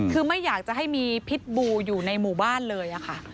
คือไม่อยากจะให้มีพิษบูอยู่ในหมู่บ้านเลยค่ะ